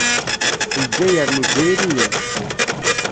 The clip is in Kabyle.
Lezzayer n Yizzayriyen.